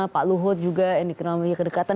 pak luhut juga yang dikenal memiliki kedekatan